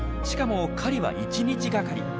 しかも狩りは１日がかり。